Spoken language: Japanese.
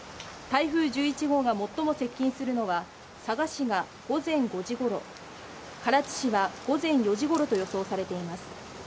台風１１号が最も接近するのは佐賀市が午前５時ごろ、唐津市は午前４時ごろと予想されています。